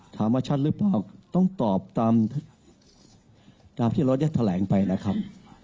ชัดหรือเปล่าต้องตอบตามที่รถได้แถลงไปนะครับ